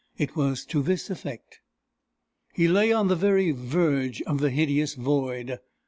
It was to this effect: He lay on the very verge of the hideous void.